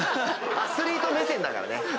アスリート目線だからね。